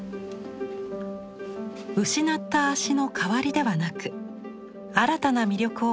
失った足の代わりではなく新たな魅力を持った「足」。